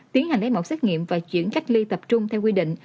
tiến hành lấy mẫu xét nghiệm và chuyển cách ly tập trung theo quy định